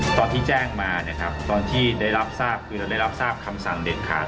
ตอนที่แจ้งมานะครับตอนที่เราได้รับทราบคำสั่งเหล็กขาด